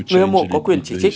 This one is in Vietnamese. người âm mộ có quyền chỉ trích